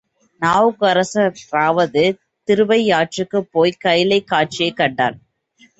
நாவுக்கரசராவது திருவையாற்றுக்குப் போய்க் கைலைக் காட்சியைக் கண்டார்.